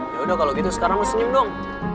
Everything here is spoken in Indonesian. ya udah kalo gitu sekarang lo senyum dong